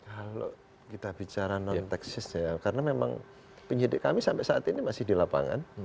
kalau kita bicara non teknis ya karena memang penyidik kami sampai saat ini masih di lapangan